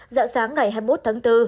dạng sáng ngày hai mươi một tháng bốn